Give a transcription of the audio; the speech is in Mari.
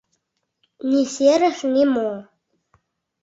Ни серыш, ни мо...